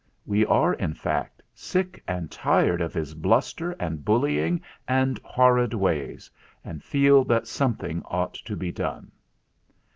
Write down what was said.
We are, in fact, sick and tired of his bluster and bullying and horrid ways, "SEND FOR CHARLES!" 285 and feel that something ought to be done."